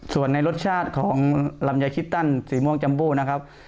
ส่วนในรสชาติของลำไยคิดตันสีม่วงจัมโบนะครับ